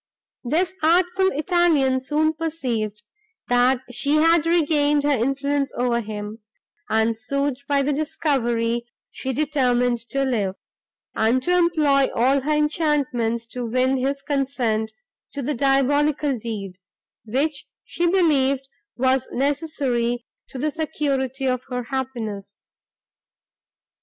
This artful Italian soon perceived, that she had regained her influence over him, and, soothed by the discovery, she determined to live, and to employ all her enchantments to win his consent to the diabolical deed, which she believed was necessary to the security of her happiness.